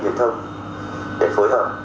truyền thông để phối hợp